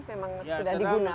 memang sudah digunakan